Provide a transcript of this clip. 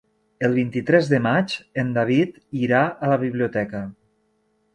El vint-i-tres de maig en David irà a la biblioteca.